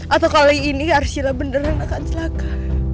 atau kali ini arsyla beneran akan selaka